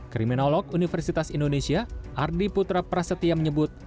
kriminolog universitas indonesia ardi putra prasetya menyebut